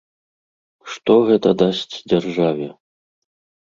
Што гэта дасць дзяржаве?